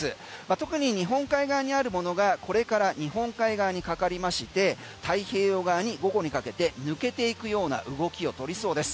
特に日本海側にあるものがこれから日本海側にかかりまして太平洋側に午後にかけて抜けていくような動きを取りそうです。